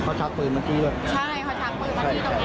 เพราะฉะนั้นตอนนั้นคือใจนี้เป็นมากเกิน